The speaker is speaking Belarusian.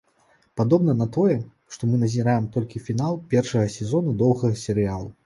Падобна на тое, што мы назіраем толькі фінал першага сезону доўгага серыялу.